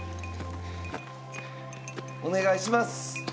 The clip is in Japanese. お願いします